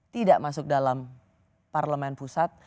tidak masuk dalam parlemen pusat